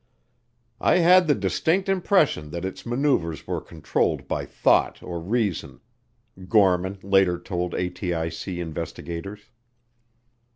"I had the distinct impression that its maneuvers were controlled by thought or reason," Gorman later told ATIC investigators.